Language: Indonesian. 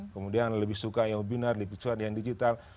kemudian lebih suka yang webinar lebih suka yang digital